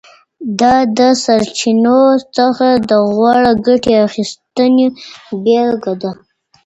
دا د سرچینو څخه د غوره ګټې اخیستنې بېلګه ده.